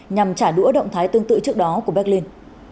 nhằm trả đũa động thái tương tự trước đó của berlin